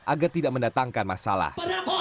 agar tidak mendatangkan masalah